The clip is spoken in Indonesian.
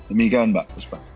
demikian mbak usman